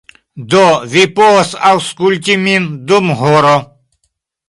Do, vi povas aŭskulti min dum horo.